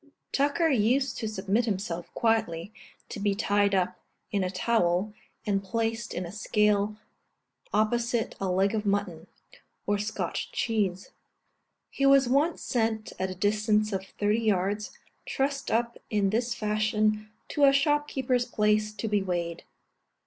(See Note E, Addenda.) Tucker used to submit himself, quietly, to be tied up in a towel, and placed in a scale opposite a leg of mutton, or Scotch cheese. He was once sent a distance of thirty yards, trussed up in this fashion, to a shopkeeper's place, to be weighed.